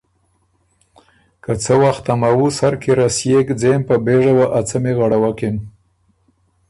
که څۀ وخت ته موُو سر کی رسيېک ځېم پۀ بېژه وه ا څمی غَړَوَکِن